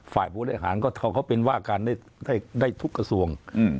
ฝ่ายบริหารก็เขาเป็นว่าการได้ทุกกระทรวง